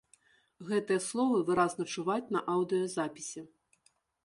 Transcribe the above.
Гэтыя словы выразна чуваць на аўдыёзапісе.